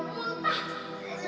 aku bau buat mengusik